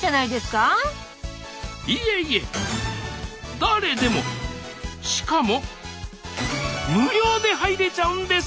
いえいえ誰でもしかも無料で入れちゃうんです！